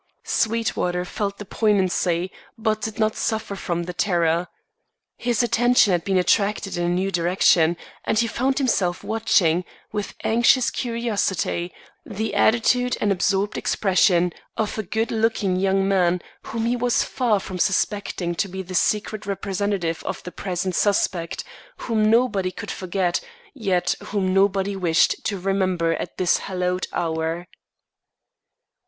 Sweetwater felt the poignancy, but did not suffer from the terror. His attention had been attracted in a new direction, and he found himself watching, with anxious curiosity, the attitude and absorbed expression of a good looking young man whom he was far from suspecting to be the secret representative of the present suspect, whom nobody could forget, yet whom nobody wished to remember at this hallowed hour.